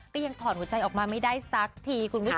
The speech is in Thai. ก็ยังถอดหัวใจออกมาไม่ได้สักทีคุณผู้ชม